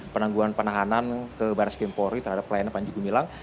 penangguhan penahanan ke baris kempori terhadap pelayanan panji gumilang